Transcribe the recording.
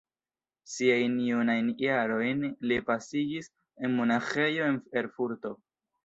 Siajn junajn jarojn li pasigis en monaĥejo en Erfurto.